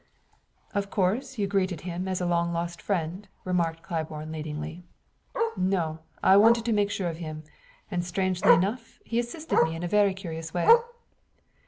"Of course, you greeted him as a long lost friend," remarked Claiborne leadingly. "No; I wanted to make sure of him; and, strangely enough, he assisted me in a very curious way."